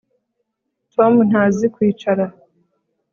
Tom ntazi kwicara